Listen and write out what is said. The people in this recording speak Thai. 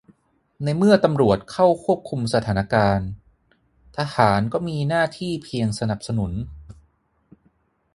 ในเมื่อตำรวจเข้าควบคุมสถานการณ์ ทหารก็มีหน้าที่เพียงสนับสนุน